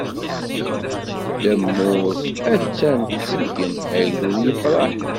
Tamurt attan tseggem, agdud yefreḥ.